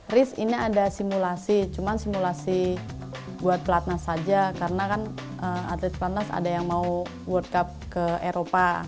riz ini ada simulasi cuma simulasi buat pelatnas saja karena kan atlet pelatnas ada yang mau world cup ke eropa